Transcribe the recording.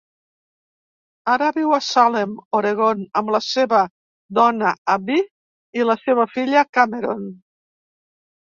Ara viu a Salem, Oregon, amb la seva dona, Abby i la seva filla, Cameron.